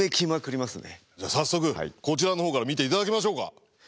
じゃあ早速こちらのほうから見て頂きましょうか。